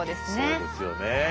そうですよね。